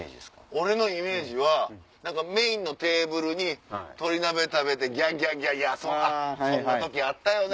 俺のイメージはメインのテーブルで鶏鍋食べて「ギャハハハそんな時あったよな